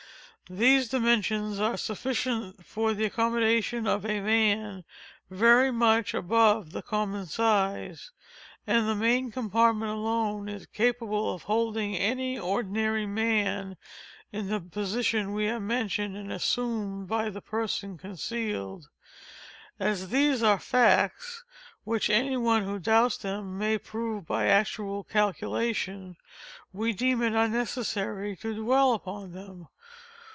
These dimensions are fully sufficient for the accommodation of a man very much above the common size—and the main compartment alone is capable of holding any ordinary man in the position we have mentioned as assumed by the person concealed. As these are facts, which any one who doubts them may prove by actual calculation, we deem it unnecessary to dwell upon them.